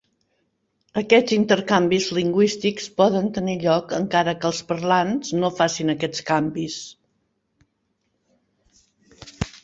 Aquests intercanvis lingüístics poden tenir lloc encara que els parlants no facin aquests canvis.